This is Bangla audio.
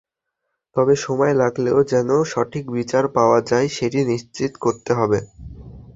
তবে সময় লাগলেও যেন সঠিক বিচার পাওয়া যায়, সেটি নিশ্চিত করতে হবে।